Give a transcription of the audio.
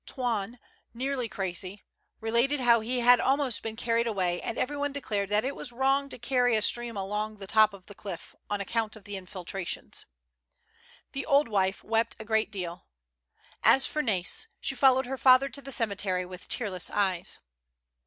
Toine, nearly crazy, related how he had almost been carried away, and every one declared that it was wrong to carry a stream along the top of the cliff, on account of the infiltrations. The old wife wept a great deal. As for Nai's, she followed her father to the cemetery with tearless eyes.